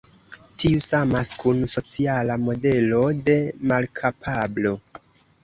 Tiu samas kun sociala modelo de malkapablo.